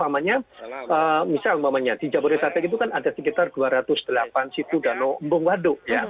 misal di jabodetabek itu kan ada sekitar dua ratus delapan situl dano mbong waduk